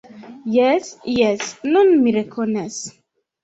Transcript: Jes, jes, nun mi rekonas.